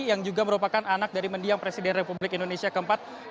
yang juga merupakan anak dari mendiang presiden republik indonesia keempat